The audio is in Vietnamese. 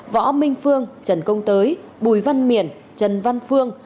võ minh phương trần công tới bùi văn miển trần văn phương